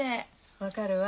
分かるわ。